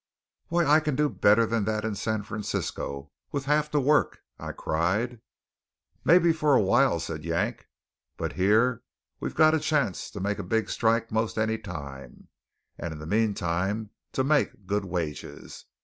"Why, I can do better than that in San Francisco with half the work!" I cried. "Maybe for a while," said Yank, "but here we got a chance to make a big strike most any time; and in the meantime to make good wages.